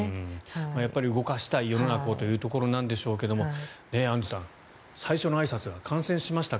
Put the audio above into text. やっぱり世の中を動かしたいというところでしょうがアンジュさん、最初のあいさつが感染しましたか？